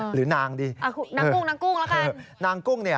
หรือนางดินางกุ้งแล้วกัน